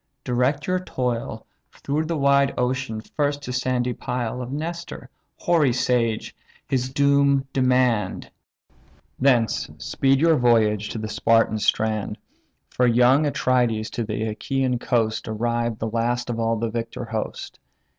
Direct your toil Through the wide ocean first to sandy Pyle; Of Nestor, hoary sage, his doom demand: Thence speed your voyage to the Spartan strand; For young Atrides to the Achaian coast Arrived the last of all the victor host.